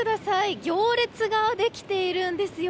行列ができているんですよ。